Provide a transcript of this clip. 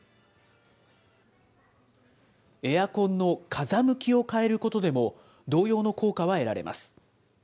エアコンの風向きを変えることでも、同様の効果が得られます。